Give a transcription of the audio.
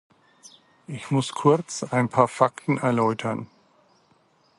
Ich muss kurz ein paar Fakten erläutern.